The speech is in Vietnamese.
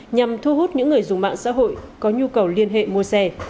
nhằm thu hút những người dùng mạng xã hội có nhu cầu liên hệ mua xe